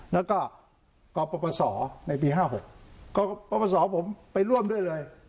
แล้วก็กรประสอบในปีห้าหกกรประสอบผมไปร่วมด้วยเลย